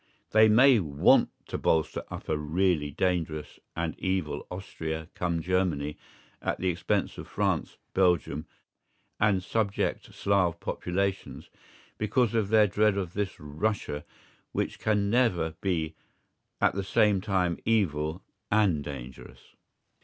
They may want to bolster up a really dangerous and evil Austria cum Germany at the expense of France, Belgium, and subject Slav populations, because of their dread of this Russia which can never be at the same time evil and dangerous.